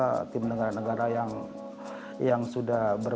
pas ke impos nasional indonesianya kan tapi saya até tiga belas tahun ya terbesar